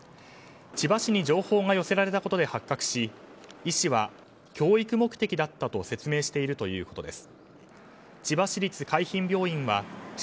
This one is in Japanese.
千葉市に情報が寄せられたことで発覚し医師は教育目的だったと説明しているということです。